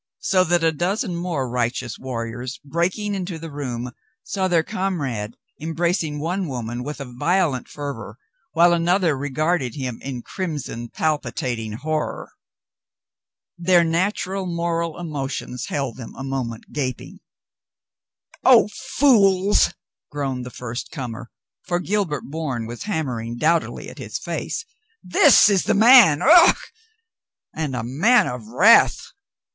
So that a dozen morp righteous warriors, breaking into the room, saw their comrade embracing one woman with a violent fer vor, while another regarded him in crimson, palpi tating horror. Their natural moral emotions held them a moment gaping. "Oh, fools," groaned the first comer, for Gilbert Bourne was hammering doughtily at his face, "this is the man. Ugh ! And a man of wrath.